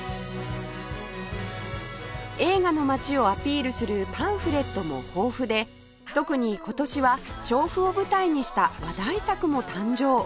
映画の街をアピールするパンフレットも豊富で特に今年は調布を舞台にした話題作も誕生